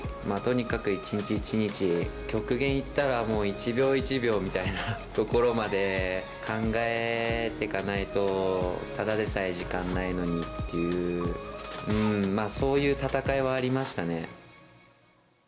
とにかく一日一日、極限いったらもう、一秒一秒みたいなところまで考えていかないと、ただでさえ時間ないのにっていう、そういう戦いはありましたね。